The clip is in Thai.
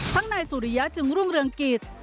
นายสุริยะจึงรุ่งเรืองกิจ